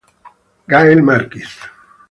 Gail Marquis